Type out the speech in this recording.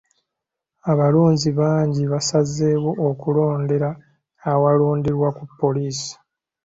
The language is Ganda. Abalonzi bangi baasazeewo kulondera awalonderwa ku poliisi.